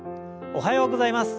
おはようございます。